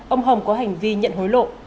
ông hồng có hành vi nhận hối lộ